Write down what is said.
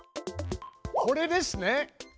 これですね！